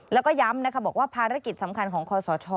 แล้วก็ย้ำนะคะบอกว่าภารกิจสำคัญของคอสช